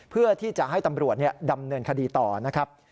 เพื่อที่จะให้ตำรวจดำเนินคดีต่อนะครับ